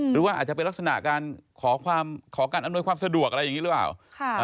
หรือว่าอาจจะเป็นลักษณะการขอการอำนวยความสะดวกอะไรอย่างนี้หรือเปล่า